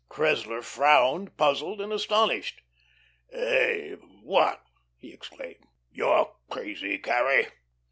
Cressler frowned, puzzled and astonished. "Hey what!" he exclaimed. "You're crazy, Carrie!"